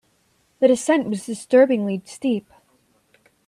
The descent was disturbingly steep.